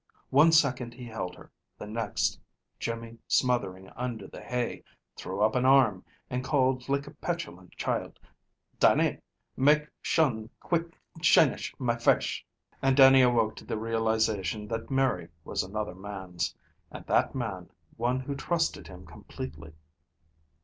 One second he held her, the next, Jimmy smothering under the hay, threw up an arm, and called like a petulant child, "Dannie! Make shun quit shinish my fashe!" And Dannie awoke to the realization that Mary was another man's, and that man, one who trusted him completely.